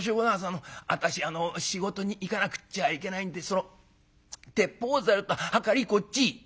あの私あの仕事に行かなくっちゃいけないんでその鉄砲ざるとはかりこっち」。